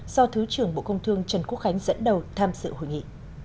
do thứ trưởng bộ công thương trần quốc khánh dẫn đầu tham dự hội nghị